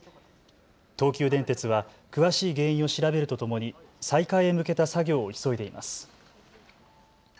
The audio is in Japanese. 東急電鉄は詳しい原因を調べるとともに再開へ向けた作業を急いでいます。